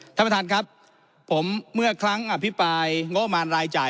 ท่านประธานครับผมเมื่อครั้งอภิปรายงบมารรายจ่าย